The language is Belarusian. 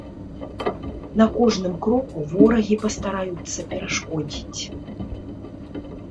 На кожным кроку ворагі пастараюцца перашкодзіць.